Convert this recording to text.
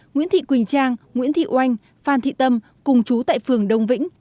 nguyễn thị quỳnh trang nguyễn thị oanh phan thị tâm cùng chú tại phường đông vĩnh